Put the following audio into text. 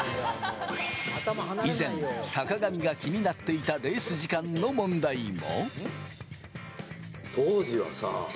以前、坂上が気になっていた、レース時間の問題も。